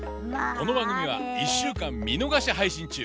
この番組は１週間見逃し配信中！